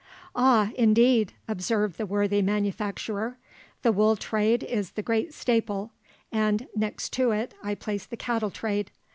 "Ah, indeed!" observed the worthy manufacturer, "the wool trade is the great staple, and next to it I place the cattle trade.